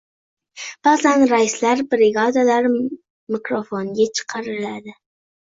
Ba’zan raislar, brigadirlar mikrofonga chaqiriladi.